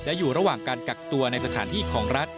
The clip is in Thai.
และอยู่ระหว่างการกักตัวในสถานที่ของรัฐ